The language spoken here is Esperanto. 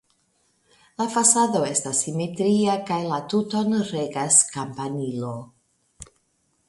La fasado estas simetria kaj la tuton regas kampanilo.